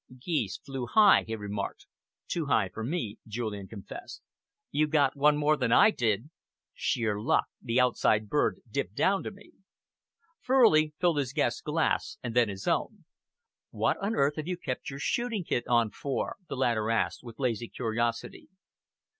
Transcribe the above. "Geese flew high," he remarked. "Too high for me," Julian confessed. "You got one more than I did." "Sheer luck. The outside bird dipped down to me." Furley filled his guest's glass and then his own. "What on earth have you kept your shooting kit on for?" the latter asked, with lazy curiosity.